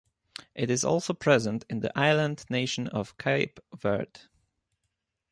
It is also present in the island nation of Cape Verde.